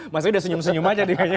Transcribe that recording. mas awi sudah senyum senyum saja